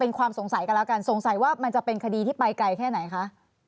เป็นความสงสัยกันแล้วกันสงสัยว่ามันจะเป็นคดีที่ไปไกลแค่ไหนคะ